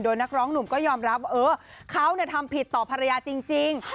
นักร้องหนุ่มก็ยอมรับว่าเขาทำผิดต่อภรรยาจริง